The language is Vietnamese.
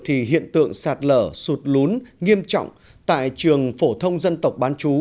thì hiện tượng sạt lở sụt lún nghiêm trọng tại trường phổ thông dân tộc bán chú